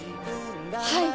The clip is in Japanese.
はい。